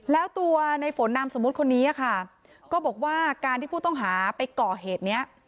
แล้วตัวในฝนนามสมมุติคนนี้ค่ะก็บอกว่าการที่ผู้ต้องหาไปก่อเหตุนี้